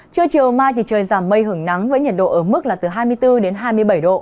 trưa chiều mai thì trời giảm mây hưởng nắng với nhiệt độ ở mức là từ hai mươi bốn đến hai mươi bảy độ